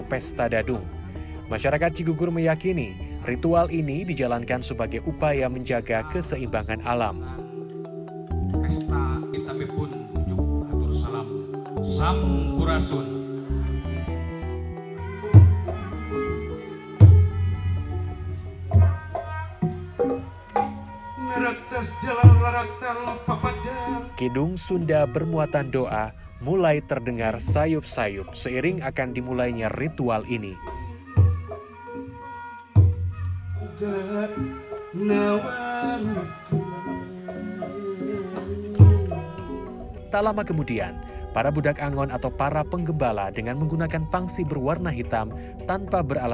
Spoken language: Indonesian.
setelah seharian lelah bekerja warga yang sibuk di dapur untuk memasak dan mendekorasi berbagai hal